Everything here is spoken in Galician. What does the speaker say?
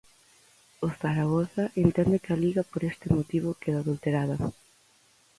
O Zaragoza entende que a Liga por este motivo queda adulterada.